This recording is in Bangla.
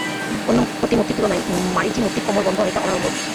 অন্য প্রতিমূর্তির তুলনায় মারীচী মূর্তির কোমরবন্ধ অনেকটা অনাড়ম্বর।